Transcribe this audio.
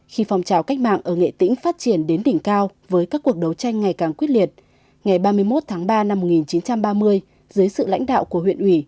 khi phong trào cách mạng ở nghệ tĩnh phát triển đến đỉnh cao với các cuộc đấu tranh ngày càng quyết liệt ngày ba mươi một tháng ba năm một nghìn chín trăm ba mươi dưới sự lãnh đạo của huyện ủy